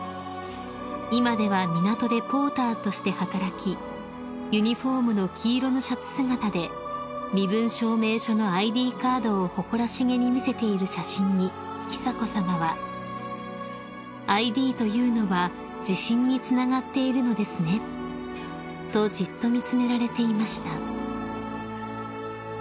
［今では港でポーターとして働きユニホームの黄色のシャツ姿で身分証明書のＩＤカードを誇らしげに見せている写真に久子さまは「ＩＤというのは自信につながっているのですね」とじっと見詰められていました］